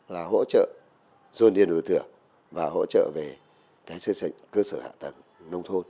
là hỗ trợ dôn điền ủi thửa và hỗ trợ về cái cơ sở hạ tầng nông thôn